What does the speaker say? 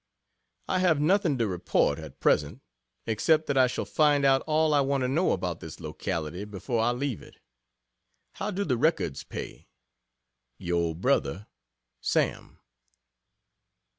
I have nothing to report, at present, except that I shall find out all I want to know about this locality before I leave it. How do the Records pay? Yr. Bro. SAM.